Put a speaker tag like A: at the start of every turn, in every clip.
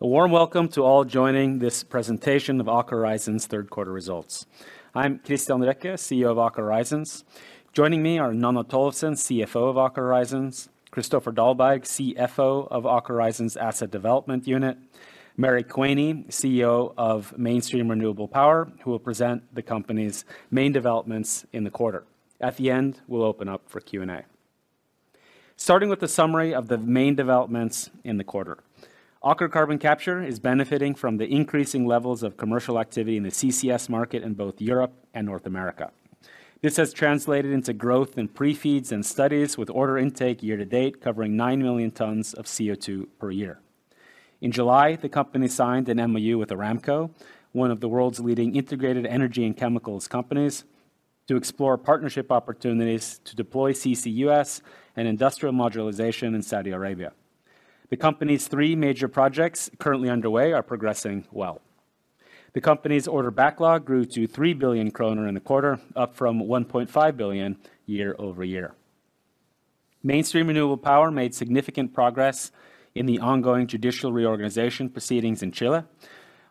A: A warm welcome to all joining this presentation of Aker Horizons third quarter results. I'm Kristian Røkke, CEO of Aker Horizons. Joining me are Nanna Tollefsen, CFO of Aker Horizons, Kristoffer Dahlberg, CFO of Aker Horizons Asset Development Unit, Mary Quaney, CEO of Mainstream Renewable Power, who will present the company's main developments in the quarter. At the end, we'll open up for Q&A. Starting with the summary of the main developments in the quarter. Aker Carbon Capture is benefiting from the increasing levels of commercial activity in the CCS market in both Europe and North America. This has translated into growth in pre-FIDs and studies, with order intake year to date covering 9 million tons of CO2 per year. In July, the company signed an MOU with Aramco, one of the world's leading integrated energy and chemicals companies, to explore partnership opportunities to deploy CCUS and industrial modularization in Saudi Arabia. The company's three major projects currently underway are progressing well. The company's order backlog grew to 3 billion kroner in the quarter, up from 1.5 billion year-over-year. Mainstream Renewable Power made significant progress in the ongoing judicial reorganization proceedings in Chile.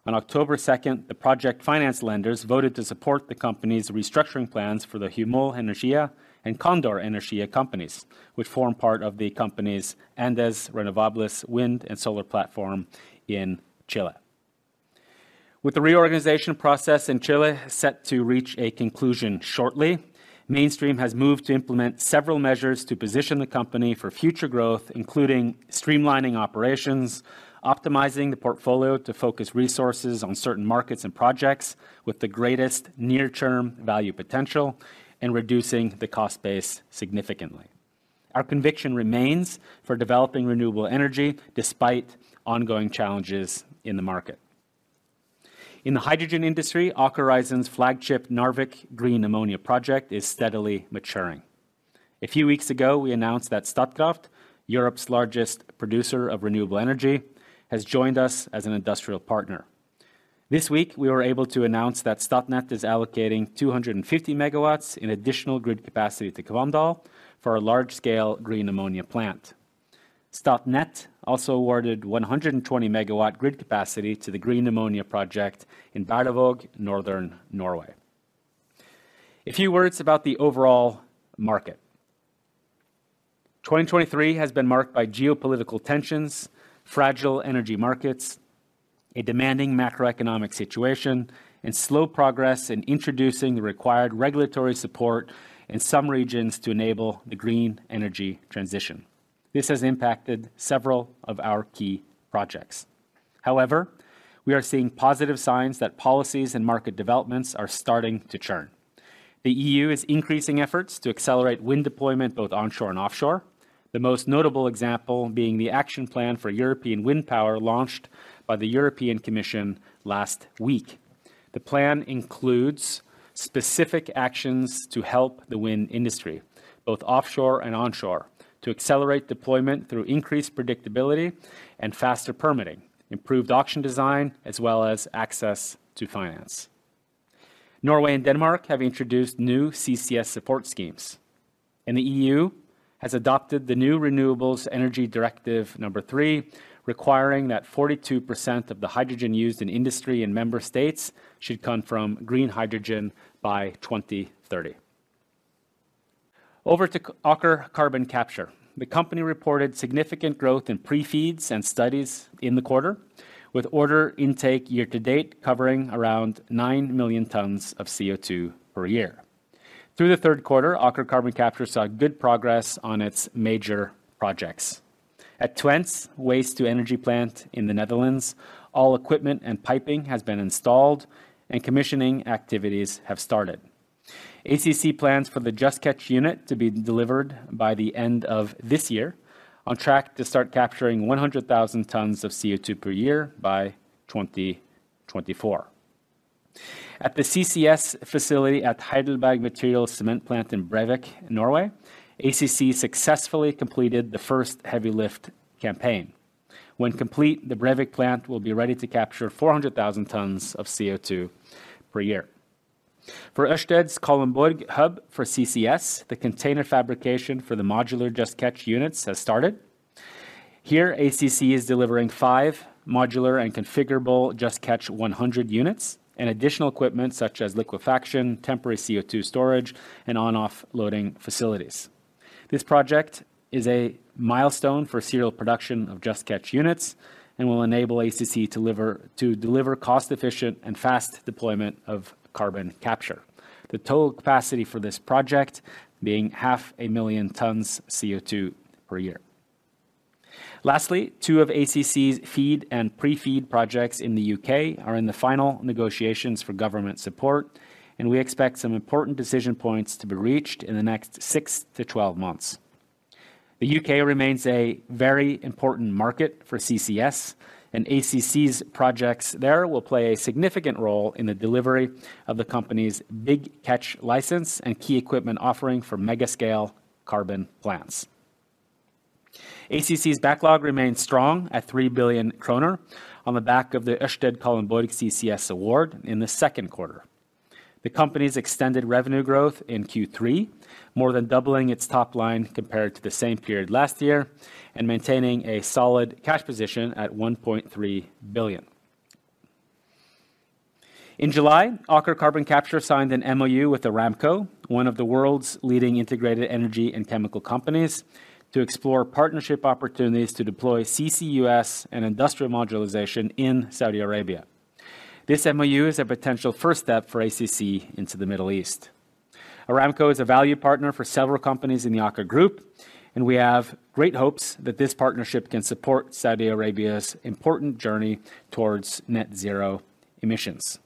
A: On October second, the project finance lenders voted to support the company's restructuring plans for the Huemul Energía and Condor Energía companies, which form part of the company's Andes Renovables wind and solar platform in Chile. With the reorganization process in Chile set to reach a conclusion shortly, Mainstream has moved to implement several measures to position the company for future growth, including streamlining operations, optimizing the portfolio to focus resources on certain markets and projects with the greatest near-term value potential, and reducing the cost base significantly. Our conviction remains for developing renewable energy despite ongoing challenges in the market. In the hydrogen industry, Aker Horizons' flagship Narvik Green Ammonia project is steadily maturing. A few weeks ago, we announced that Statkraft, Europe's largest producer of renewable energy, has joined us as an industrial partner. This week, we were able to announce that Statnett is allocating 250 MW in additional grid capacity to Kvandal for a large-scale green ammonia plant. Statnett also awarded 120 MW grid capacity to the green ammonia project in Berlevåg, northern Norway. A few words about the overall market. 2023 has been marked by geopolitical tensions, fragile energy markets, a demanding macroeconomic situation, and slow progress in introducing the required regulatory support in some regions to enable the green energy transition. This has impacted several of our key projects. However, we are seeing positive signs that policies and market developments are starting to turn. The EU is increasing efforts to accelerate wind deployment, both onshore and offshore. The most notable example being the action plan for European wind power, launched by the European Commission last week. The plan includes specific actions to help the wind industry, both offshore and onshore, to accelerate deployment through increased predictability and faster permitting, improved auction design, as well as access to finance. Norway and Denmark have introduced new CCS support schemes, and the EU has adopted the new Renewable Energy Directive III, requiring that 42% of the hydrogen used in industry and member states should come from green hydrogen by 2030. Over to Aker Carbon Capture. The company reported significant growth in pre-FEEDs and studies in the quarter, with order intake year to date covering around 9 million tons of CO2 per year. Through the third quarter, Aker Carbon Capture saw good progress on its major projects. At Twence's waste-to-energy plant in the Netherlands, all equipment and piping has been installed, and commissioning activities have started. ACC plans for the Just Catch unit to be delivered by the end of this year, on track to start capturing 100,000 tons of CO2 per year by 2024. At the CCS facility at Heidelberg Materials Cement Plant in Brevik, Norway, ACC successfully completed the first heavy lift campaign. When complete, the Brevik plant will be ready to capture 400,000 tons of CO2 per year. For Ørsted's Kalundborg hub for CCS, the container fabrication for the modular Just Catch units has started. Here, ACC is delivering five modular and configurable Just Catch 100 units and additional equipment such as liquefaction, temporary CO2 storage, and on/off-loading facilities. This project is a milestone for serial production of Just Catch units and will enable ACC deliver, to deliver cost-efficient and fast deployment of carbon capture. The total capacity for this project being 500,000 tons CO2 per year. Lastly, two of ACC's feed and pre-FEED projects in the U.K. are in the final negotiations for government support, and we expect some important decision points to be reached in the next six to 12 months. The U.K. remains a very important market for CCS, and ACC's projects there will play a significant role in the delivery of the company's Big Catch license and key equipment offering for mega-scale carbon plants. ACC's backlog remains strong at 3 billion kroner on the back of the Ørsted Kalundborg CCS award in the second quarter. The company's extended revenue growth in Q3, more than doubling its top line compared to the same period last year, and maintaining a solid cash position at 1.3 billion. In July, Aker Carbon Capture signed an MOU with Aramco, one of the world's leading integrated energy and chemical companies, to explore partnership opportunities to deploy CCUS and industrial modularization in Saudi Arabia. This MOU is a potential first step for ACC into the Middle East. Aramco is a value partner for several companies in the Aker group, and we have great hopes that this partnership can support Saudi Arabia's important journey towards net zero emissions.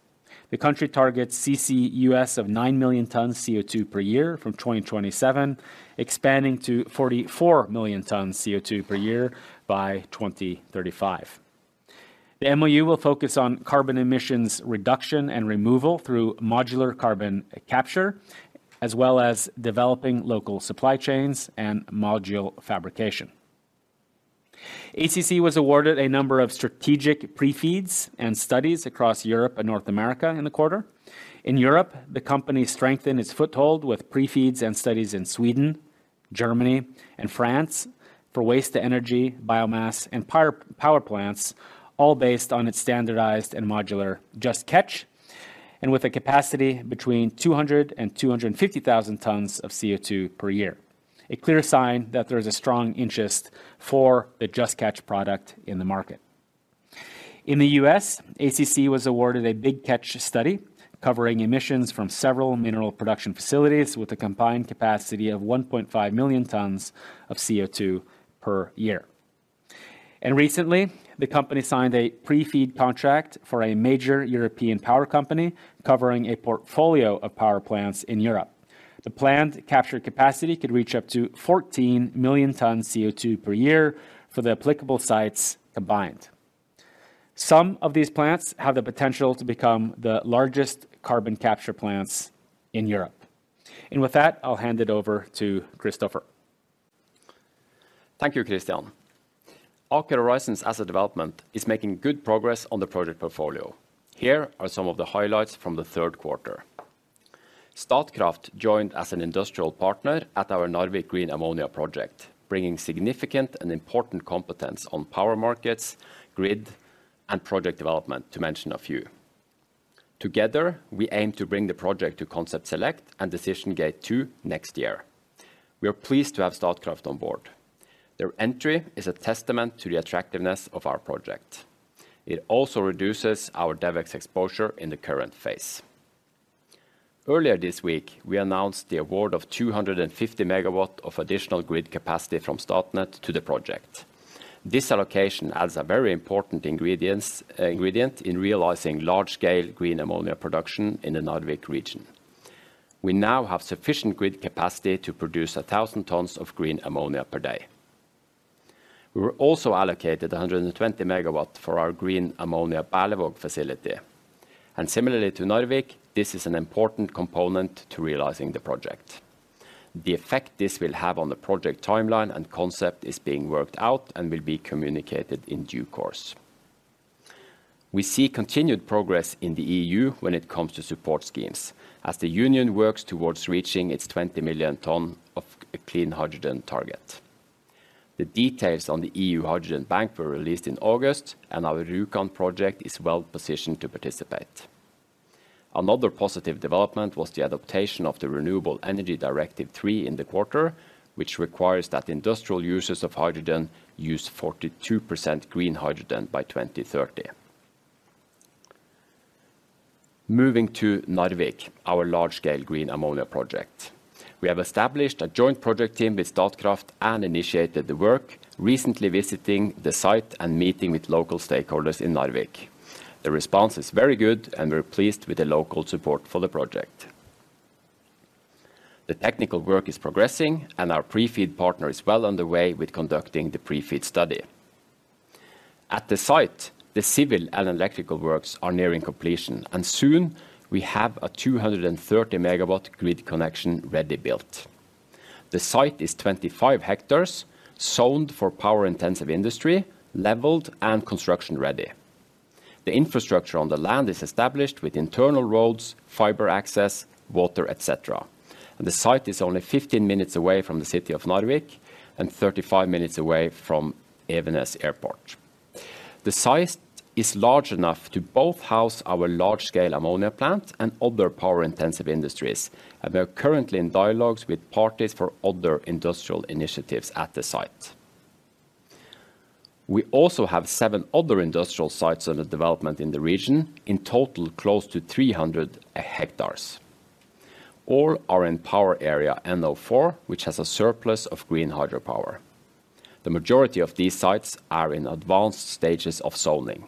A: The country targets CCUS of 9 million tons CO2 per year from 2027, expanding to 44 million tons CO2 per year by 2035. The MOU will focus on carbon emissions reduction and removal through modular carbon capture, as well as developing local supply chains and module fabrication. ACC was awarded a number of strategic pre-FEEDs and studies across Europe and North America in the quarter. In Europe, the company strengthened its foothold with pre-FEEDs and studies in Sweden, Germany, and France for waste-to-energy, biomass, and power plants, all based on its standardized and modular Just Catch, and with a capacity between 200 and 250,000 tons of CO2 per year. A clear sign that there is a strong interest for the Just Catch product in the market. In the U.S., ACC was awarded a Big Catch study, covering emissions from several mineral production facilities with a combined capacity of 1.5 million tons of CO2 per year. And recently, the company signed a pre-feed contract for a major European power company, covering a portfolio of power plants in Europe. The planned capture capacity could reach up to 14 million tons CO2 per year for the applicable sites combined. Some of these plants have the potential to become the largest carbon capture plants in Europe. With that, I'll hand it over to Kristoffer.
B: Thank you, Kristian. Aker Horizons as a development, is making good progress on the project portfolio. Here are some of the highlights from the third quarter. Statkraft joined as an industrial partner at our Narvik Green Ammonia project, bringing significant and important competence on power markets, grid, and project development, to mention a few. Together, we aim to bring the project to concept select and decision gate two next year. We are pleased to have Statkraft on board. Their entry is a testament to the attractiveness of our project. It also reduces our DevEx exposure in the current phase. Earlier this week, we announced the award of 250 MW of additional grid capacity from Statnett to the project. This allocation adds a very important ingredient in realizing large-scale green ammonia production in the Narvik region. We now have sufficient grid capacity to produce 1,000 tons of green ammonia per day. We were also allocated 120 MW for our green ammonia Berlevåg facility, and similarly to Narvik, this is an important component to realizing the project. The effect this will have on the project timeline and concept is being worked out and will be communicated in due course. We see continued progress in the EU when it comes to support schemes, as the Union works towards reaching its 20 million ton of clean hydrogen target. The details on the EU Hydrogen Bank were released in August, and our Rjukan project is well positioned to participate. Another positive development was the adaptation of the Renewable Energy Directive III in the quarter, which requires that industrial users of hydrogen use 42% green hydrogen by 2030. Moving to Narvik, our large-scale green ammonia project. We have established a joint project team with Statkraft and initiated the work, recently visiting the site and meeting with local stakeholders in Narvik. The response is very good, and we're pleased with the local support for the project. The technical work is progressing and our pre-feed partner is well on the way with conducting the pre-feed study. At the site, the civil and electrical works are nearing completion, and soon, we have a 230 MW grid connection ready built. The site is 25 hectares, zoned for power-intensive industry, leveled, and construction-ready. The infrastructure on the land is established with internal roads, fiber access, water, et cetera, and the site is only 15 minutes away from the city of Narvik and 35 minutes away from Evenes Airport. The size is large enough to both house our large-scale ammonia plant and other power-intensive industries, and we are currently in dialogues with parties for other industrial initiatives at the site. We also have seven other industrial sites under development in the region, in total, close to 300 hectares. All are in power area NO4, which has a surplus of green hydropower. The majority of these sites are in advanced stages of zoning.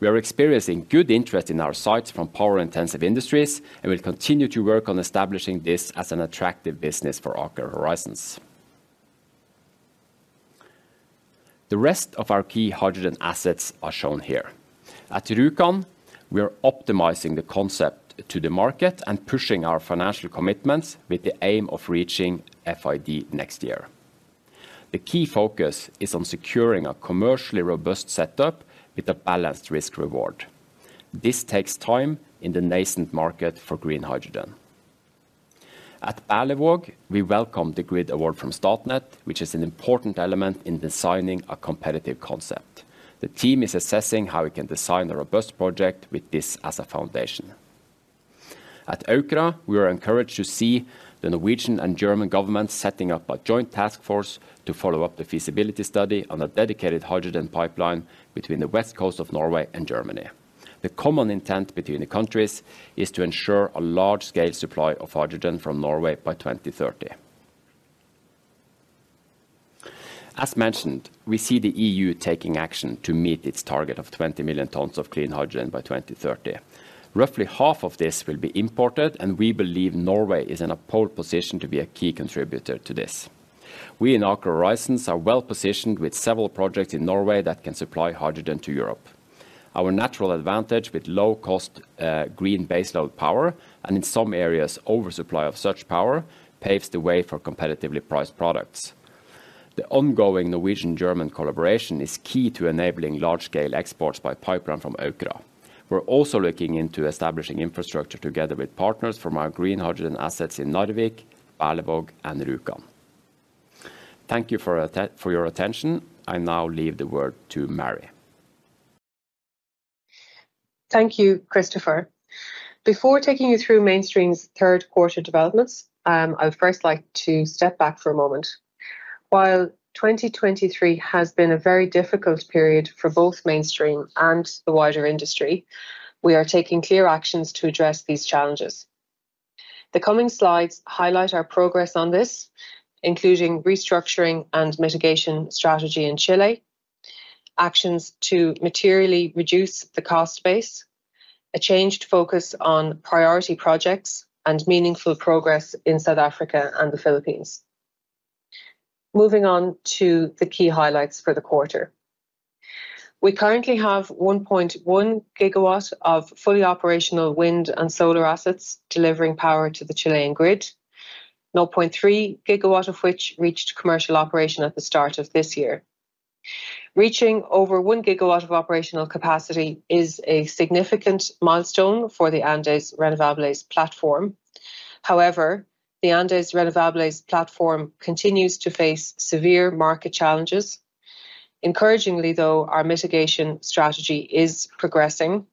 B: We are experiencing good interest in our sites from power-intensive industries, and we'll continue to work on establishing this as an attractive business for Aker Horizons. The rest of our key hydrogen assets are shown here. At Rjukan, we are optimizing the concept to the market and pushing our financial commitments with the aim of reaching FID next year. The key focus is on securing a commercially robust setup with a balanced risk reward. This takes time in the nascent market for green hydrogen. At Berlevåg, we welcome the grid award from Statnett, which is an important element in designing a competitive concept. The team is assessing how we can design a robust project with this as a foundation. At Aukra, we are encouraged to see the Norwegian and German governments setting up a joint task force to follow up the feasibility study on a dedicated hydrogen pipeline between the west coast of Norway and Germany. The common intent between the countries is to ensure a large-scale supply of hydrogen from Norway by 2030. As mentioned, we see the EU taking action to meet its target of 20 million tons of clean hydrogen by 2030. Roughly half of this will be imported, and we believe Norway is in a pole position to be a key contributor to this. We in Aker Horizons are well-positioned with several projects in Norway that can supply hydrogen to Europe. Our natural advantage with low cost green baseload power, and in some areas, oversupply of such power, paves the way for competitively priced products. The ongoing Norwegian-German collaboration is key to enabling large-scale exports by pipeline from Aukra. We're also looking into establishing infrastructure together with partners from our green hydrogen assets in Narvik, Berlevåg, and Rjukan. Thank you for your attention. I now leave the word to Mary.
C: Thank you, Kristoffer. Before taking you through Mainstream's third quarter developments, I would first like to step back for a moment. While 2023 has been a very difficult period for both Mainstream and the wider industry, we are taking clear actions to address these challenges. The coming slides highlight our progress on this, including restructuring and mitigation strategy in Chile, actions to materially reduce the cost base, a changed focus on priority projects, and meaningful progress in South Africa and the Philippines. Moving on to the key highlights for the quarter. We currently have 1.1 GW of fully operational wind and solar assets delivering power to the Chilean grid, 0.3 GW of which reached commercial operation at the start of this year. Reaching over 1 GW of operational capacity is a significant milestone for the Andes Renovables platform. However, the Andes Renovables platform continues to face severe market challenges. Encouragingly, though, our mitigation strategy is progressing,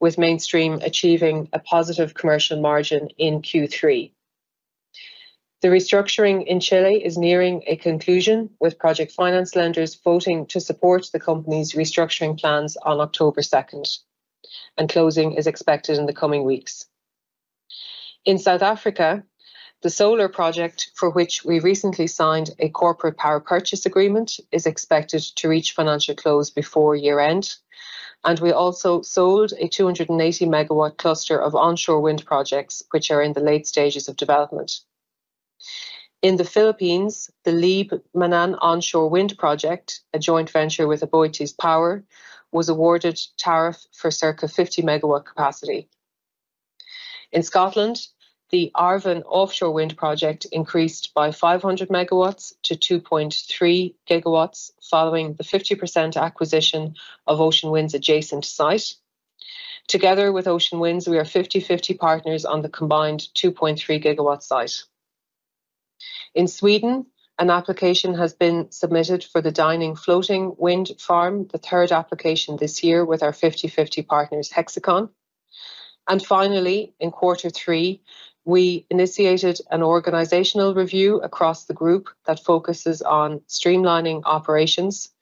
C: with Mainstream achieving a positive commercial margin in Q3. The restructuring in Chile is nearing a conclusion, with project finance lenders voting to support the company's restructuring plans on October 2, and closing is expected in the coming weeks. In South Africa, the solar project, for which we recently signed a corporate power purchase agreement, is expected to reach financial close before year-end, and we also sold a 280 MW cluster of onshore wind projects, which are in the late stages of development. In the Philippines, the Libmanan onshore wind project, a joint venture with AboitizPower, was awarded tariff for circa 50 MW capacity. In Scotland, the Arven offshore wind project increased by 500 MW to 2.3 GW, following the 50% acquisition of Ocean Winds' adjacent site. Together with Ocean Winds, we are 50/50 partners on the combined 2.3 GW site. In Sweden, an application has been submitted for the Dyning floating wind farm, the third application this year with our 50/50 partners, Hexicon. And finally, in quarter three, we initiated an organizational review across the group that focuses on streamlining operations,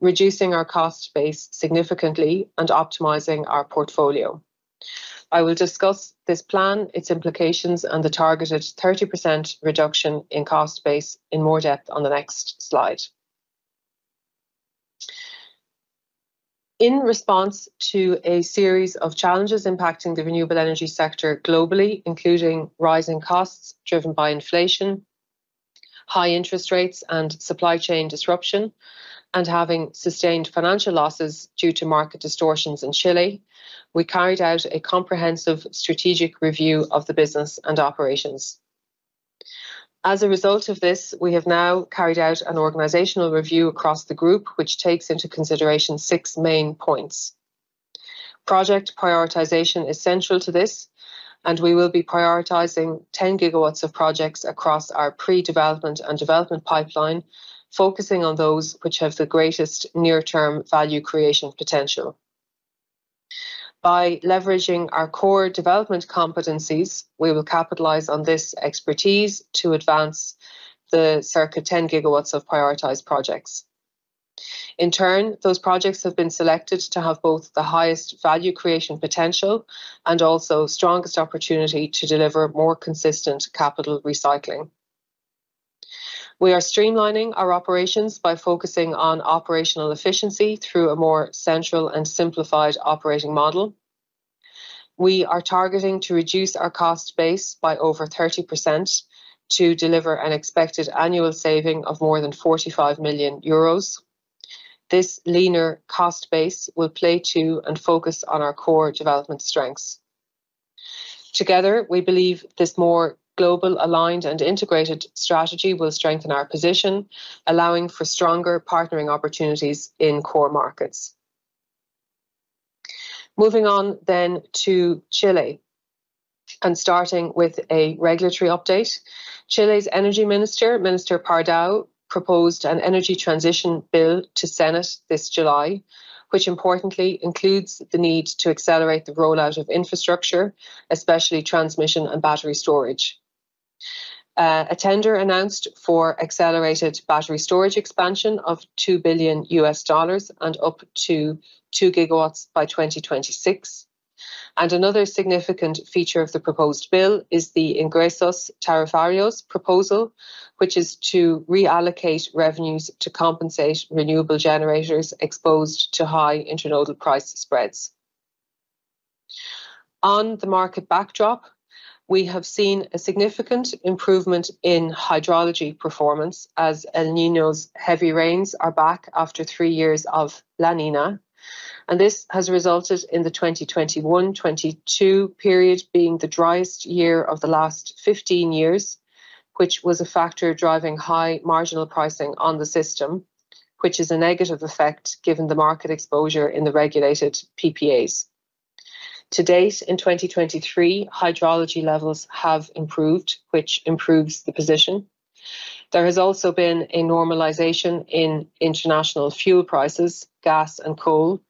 C: reducing our cost base significantly, and optimizing our portfolio. I will discuss this plan, its implications, and the targeted 30% reduction in cost base in more depth on the next slide. In response to a series of challenges impacting the renewable energy sector globally, including rising costs driven by inflation, high interest rates, and supply chain disruption, and having sustained financial losses due to market distortions in Chile, we carried out a comprehensive strategic review of the business and operations. As a result of this, we have now carried out an organizational review across the group, which takes into consideration six main points. Project prioritization is central to this, and we will be prioritizing 10 GW of projects across our pre-development and development pipeline, focusing on those which have the greatest near-term value creation potential. By leveraging our core development competencies, we will capitalize on this expertise to advance the circa 10 GW of prioritized projects. In turn, those projects have been selected to have both the highest value creation potential and also strongest opportunity to deliver more consistent capital recycling. We are streamlining our operations by focusing on operational efficiency through a more central and simplified operating model. We are targeting to reduce our cost base by over 30% to deliver an expected annual saving of more than 45 million euros. This leaner cost base will play to and focus on our core development strengths.... Together, we believe this more global, aligned, and integrated strategy will strengthen our position, allowing for stronger partnering opportunities in core markets. Moving on then to Chile, and starting with a regulatory update. Chile's Energy Minister, Minister Pardow, proposed an energy transition bill to Senate this July, which importantly includes the need to accelerate the rollout of infrastructure, especially transmission and battery storage. A tender announced for accelerated battery storage expansion of $2 billion and up to 2 GW by 2026. Another significant feature of the proposed bill is the Ingresos Tarifarios proposal, which is to reallocate revenues to compensate renewable generators exposed to high intra-nodal price spreads. On the market backdrop, we have seen a significant improvement in hydrology performance as El Niño's heavy rains are back after three years of La Niña, and this has resulted in the 2021, 2022 period being the driest year of the last 15 years, which was a factor driving high marginal pricing on the system, which is a negative effect given the market exposure in the regulated PPAs. To date, in 2023, hydrology levels have improved, which improves the position. There has also been a normalization in international fuel prices, gas and coal,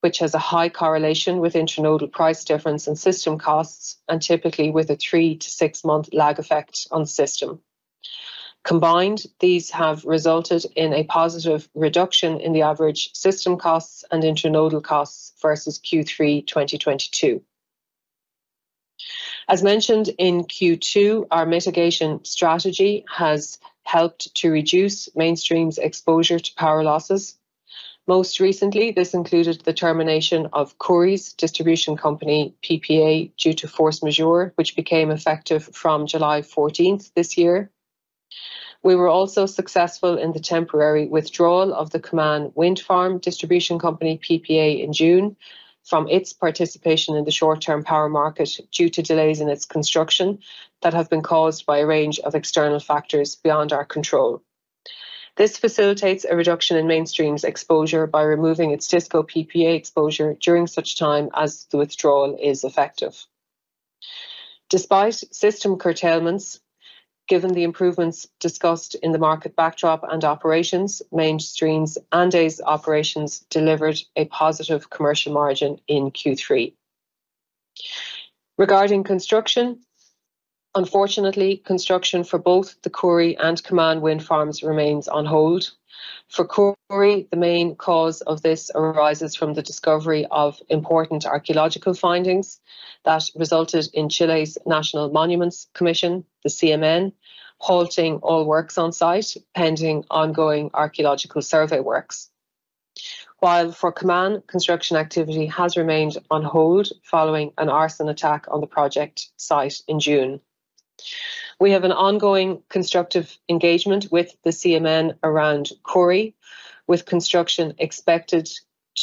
C: which has a high correlation with intra-nodal price difference and system costs, and typically with a three to six-month lag effect on the system. Combined, these have resulted in a positive reduction in the average system costs and intra-nodal costs versus Q3 2022. As mentioned in Q2, our mitigation strategy has helped to reduce Mainstream's exposure to power losses. Most recently, this included the termination of Ckhúri's distribution company PPA due to force majeure, which became effective from July fourteenth this year. We were also successful in the temporary withdrawal of the Caman wind farm distribution company PPA in June from its participation in the short-term power market due to delays in its construction that have been caused by a range of external factors beyond our control. This facilitates a reduction in Mainstream's exposure by removing its DisCo PPA exposure during such time as the withdrawal is effective. Despite system curtailments, given the improvements discussed in the market backdrop and operations, Mainstream's Andes operations delivered a positive commercial margin in Q3. Regarding construction, unfortunately, construction for both the Ckhúri and Caman wind farms remains on hold. For Ckhúri, the main cause of this arises from the discovery of important archaeological findings that resulted in Chile's National Monuments Commission, the CMN, halting all works on site, pending ongoing archaeological survey works. While for Caman, construction activity has remained on hold following an arson attack on the project site in June. We have an ongoing constructive engagement with the CMN around Ckhúri, with construction expected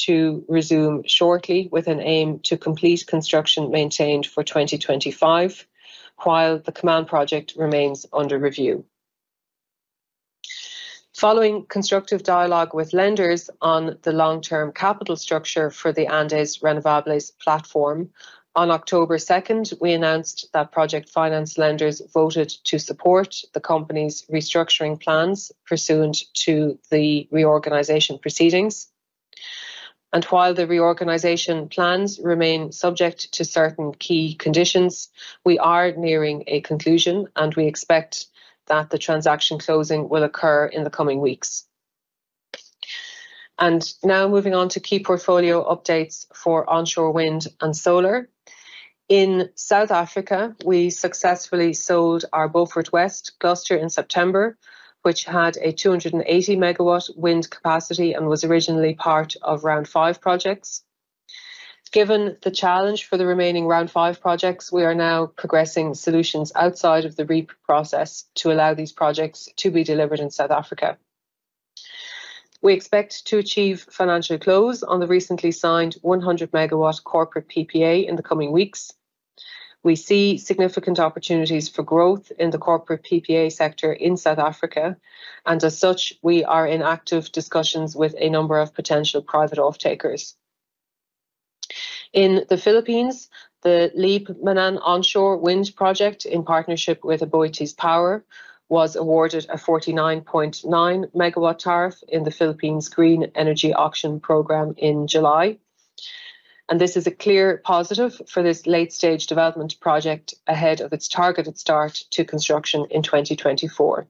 C: to resume shortly, with an aim to complete construction maintained for 2025, while the Caman project remains under review. Following constructive dialogue with lenders on the long-term capital structure for the Andes Renovables platform, on October second, we announced that project finance lenders voted to support the company's restructuring plans pursuant to the reorganization proceedings. And while the reorganization plans remain subject to certain key conditions, we are nearing a conclusion, and we expect that the transaction closing will occur in the coming weeks. Now moving on to key portfolio updates for onshore wind and solar. In South Africa, we successfully sold our Beaufort West cluster in September, which had a 280 MW wind capacity and was originally part of Round five projects. Given the challenge for the remaining Round five projects, we are now progressing solutions outside of the REIPPPP process to allow these projects to be delivered in South Africa. We expect to achieve financial close on the recently signed 100 MW corporate PPA in the coming weeks. We see significant opportunities for growth in the corporate PPA sector in South Africa, and as such, we are in active discussions with a number of potential private off-takers. In the Philippines, the Libmanan onshore wind project, in partnership with AboitizPower, was awarded a 49.9 MW tariff in the Green Energy Auction program in July. This is a clear positive for this late-stage development project ahead of its targeted start to construction in 2024.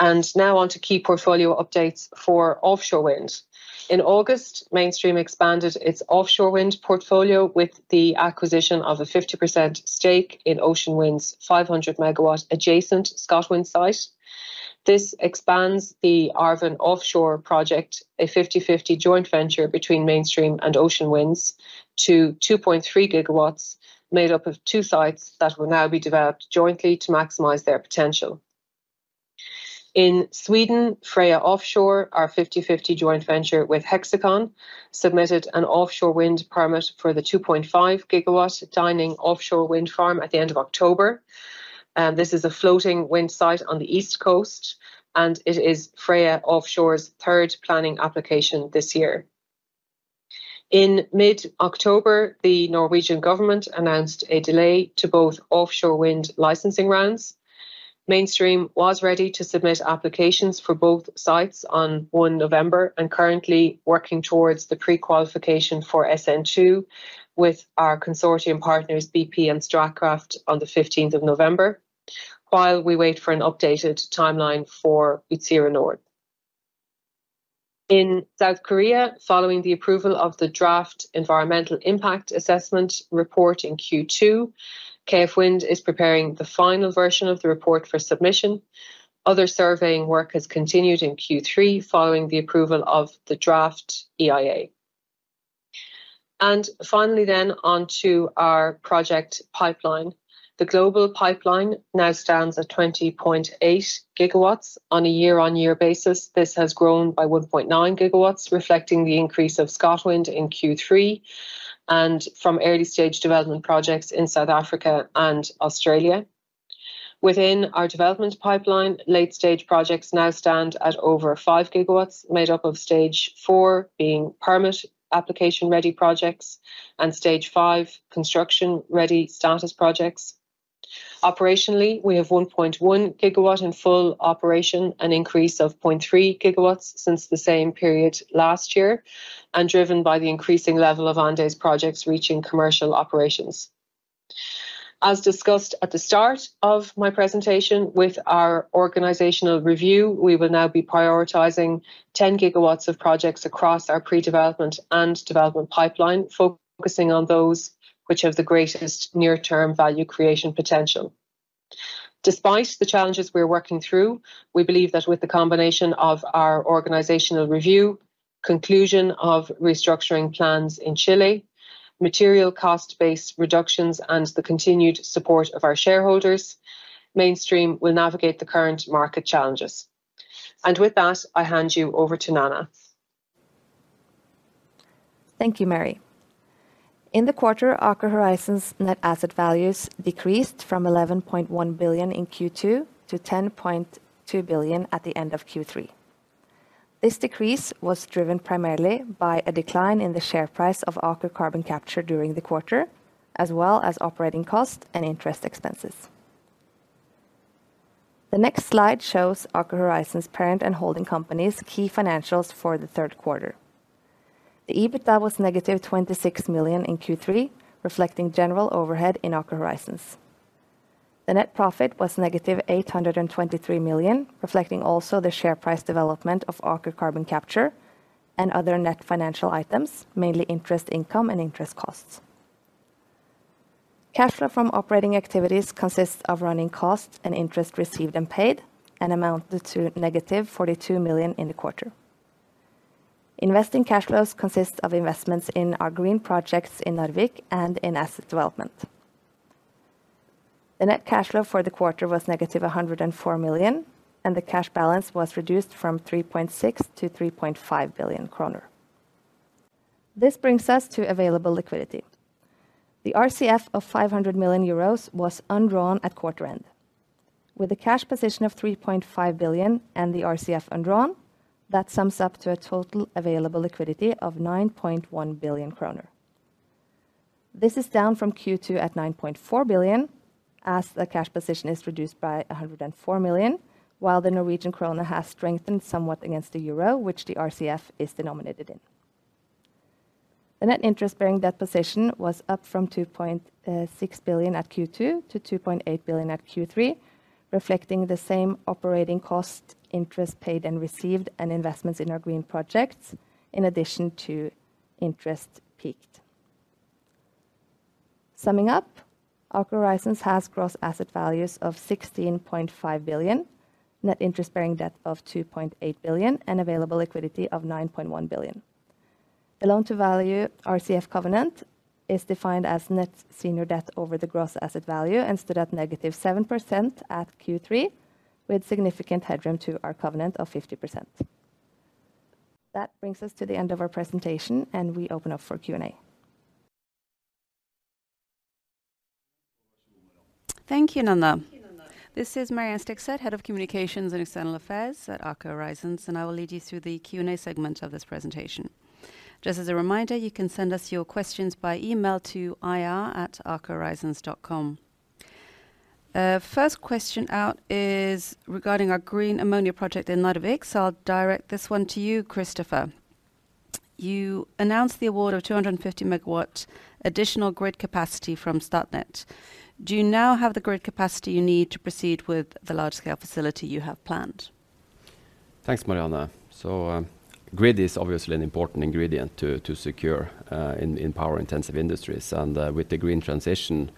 C: Now on to key portfolio updates for offshore wind. In August, Mainstream expanded its offshore wind portfolio with the acquisition of a 50% stake in Ocean Winds, 500 MW adjacent ScotWind site. This expands the Arven Offshore project, a 50/50 joint venture between Mainstream and Ocean Winds, to 2.3 GW, made up of two sites that will now be developed jointly to maximize their potential.... In Sweden, Freja Offshore, our 50/50 joint venture with Hexicon, submitted an offshore wind permit for the 2.5 GW Dyning offshore wind farm at the end of October. This is a floating wind site on the East Coast, and it is Freja Offshore's third planning application this year. In mid-October, the Norwegian government announced a delay to both offshore wind licensing rounds. Mainstream was ready to submit applications for both sites on 1 November, and currently working towards the pre-qualification for SN2 with our consortium partners, BP and Statkraft, on the 15th of November, while we wait for an updated timeline for Utsira Nord. In South Korea, following the approval of the draft environmental impact assessment report in Q2, KF Wind is preparing the final version of the report for submission. Other surveying work has continued in Q3, following the approval of the draft EIA. And finally, then, on to our project pipeline. The global pipeline now stands at 20.8 GW on a year-on-year basis. This has grown by 1.9 GW, reflecting the increase of ScotWind in Q3 and from early stage development projects in South Africa and Australia. Within our development pipeline, late stage projects now stand at over 5 GW, made up of stage four, being permit application-ready projects, and stage 5, construction-ready status projects. Operationally, we have 1.1 GW in full operation, an increase of 0.3 GW since the same period last year, and driven by the increasing level of Andes projects reaching commercial operations. As discussed at the start of my presentation with our organizational review, we will now be prioritizing 10 GW of projects across our pre-development and development pipeline, focusing on those which have the greatest near-term value creation potential. Despite the challenges we're working through, we believe that with the combination of our organizational review, conclusion of restructuring plans in Chile, material cost base reductions, and the continued support of our shareholders, Mainstream will navigate the current market challenges. With that, I hand you over to Nana.
D: Thank you, Mary. In the quarter, Aker Horizons net asset values decreased from 11.1 billion in Q2 to 10.2 billion at the end of Q3. This decrease was driven primarily by a decline in the share price of Aker Carbon Capture during the quarter, as well as operating costs and interest expenses. The next slide shows Aker Horizons parent and holding company's key financials for the third quarter. The EBITDA was -26 million in Q3, reflecting general overhead in Aker Horizons. The net profit was -823 million, reflecting also the share price development of Aker Carbon Capture and other net financial items, mainly interest income and interest costs. Cash flow from operating activities consists of running costs and interest received and paid, and amounted to -42 million in the quarter. Investing cash flows consists of investments in our green projects in Narvik and in asset development. The net cash flow for the quarter was negative 104 million, and the cash balance was reduced from 3.6 billion to 3.5 billion kroner. This brings us to available liquidity. The RCF of 500 million euros was undrawn at quarter end. With a cash position of 3.5 billion and the RCF undrawn, that sums up to a total available liquidity of 9.1 billion kroner. This is down from Q2 at 9.4 billion, as the cash position is reduced by 104 million, while the Norwegian kroner has strengthened somewhat against the euro, which the RCF is denominated in. The net interest-bearing debt position was up from 2.6 billion at Q2 to 2.8 billion at Q3, reflecting the same operating cost, interest paid and received, and investments in our green projects, in addition to interest peaked. Summing up, Aker Horizons has gross asset values of 16.5 billion, net interest-bearing debt of 2.8 billion, and available liquidity of 9.1 billion. The loan to value RCF covenant is defined as net senior debt over the gross asset value, and stood at -7% at Q3, with significant headroom to our covenant of 50%. That brings us to the end of our presentation, and we open up for Q&A.
E: Thank you, Nanna. This is Marianne Stigset, Head of Communications and External Affairs at Aker Horizons, and I will lead you through the Q&A segment of this presentation. Just as a reminder, you can send us your questions by email to ir@akerhorizons.com. First question out is regarding our green ammonia project in Narvik, so I'll direct this one to you, Kristoffer. You announced the award of 250 MW additional grid capacity from Statnett. Do you now have the grid capacity you need to proceed with the large-scale facility you have planned?
B: Thanks, Marianne. So, grid is obviously an important ingredient to secure in power-intensive industries, and with the green transition,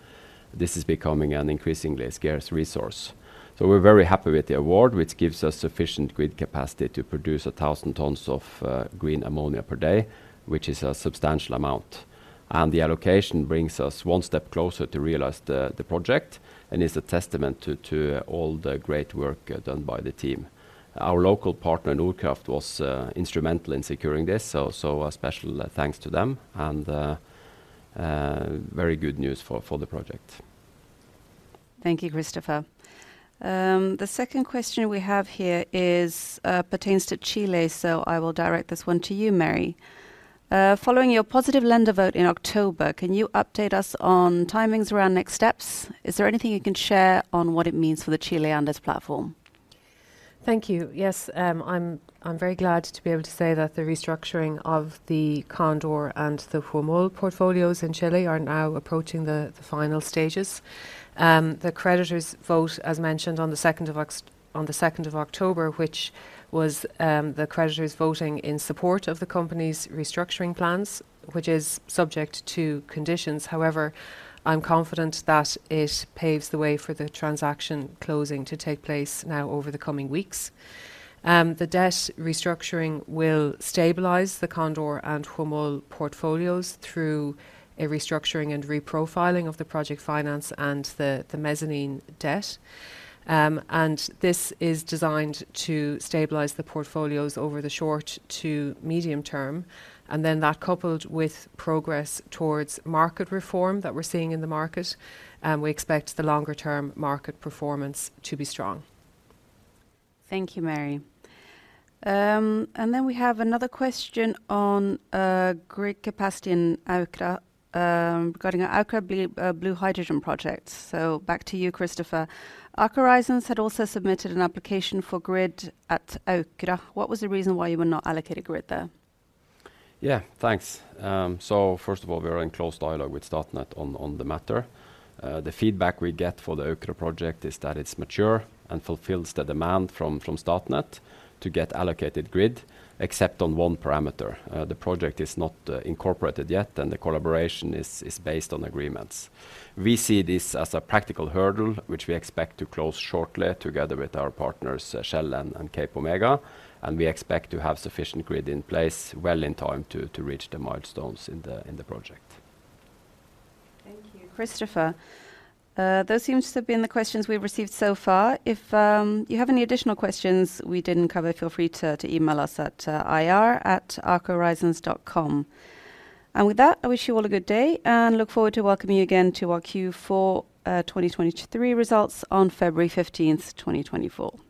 B: this is becoming an increasingly scarce resource. So we're very happy with the award, which gives us sufficient grid capacity to produce 1,000 tons of green ammonia per day, which is a substantial amount. And the allocation brings us one step closer to realize the project and is a testament to all the great work done by the team. Our local partner, Nordkraft, was instrumental in securing this, so a special thanks to them and very good news for the project....
E: Thank you, Kristoffer. The second question we have here is, pertains to Chile, so I will direct this one to you, Mary. Following your positive lender vote in October, can you update us on timings around next steps? Is there anything you can share on what it means for the Chile Andes platform?
C: Thank you. Yes, I'm very glad to be able to say that the restructuring of the Condor Energía and the Huemul Energía portfolios in Chile are now approaching the final stages. The creditors vote, as mentioned on the second of October, which was the creditors voting in support of the company's restructuring plans, which is subject to conditions. However, I'm confident that it paves the way for the transaction closing to take place now over the coming weeks. The debt restructuring will stabilize the Condor Energía and Huemul Energía portfolios through a restructuring and reprofiling of the project finance and the mezzanine debt. This is designed to stabilize the portfolios over the short to medium term, and then that coupled with progress towards market reform that we're seeing in the market, we expect the longer-term market performance to be strong.
E: Thank you, Mary. And then we have another question on grid capacity in Aukra, regarding our Aukra blue hydrogen project. Back to you, Kristoffer. Aker Horizons had also submitted an application for grid at Aukra. What was the reason why you were not allocated grid there?
B: Yeah, thanks. So first of all, we are in close dialogue with Statnett on, on the matter. The feedback we get for the Aukra project is that it's mature and fulfills the demand from, from Statnett to get allocated grid, except on one parameter. The project is not incorporated yet, and the collaboration is, is based on agreements. We see this as a practical hurdle, which we expect to close shortly together with our partners, Shell and, and CapeOmega, and we expect to have sufficient grid in place well in time to, to reach the milestones in the, in the project.
E: Thank you, Kristoffer. Those seems to have been the questions we've received so far. If you have any additional questions we didn't cover, feel free to email us at ir@akerhorizons.com. With that, I wish you all a good day and look forward to welcoming you again to our Q4 2023 results on February 15th, 2024.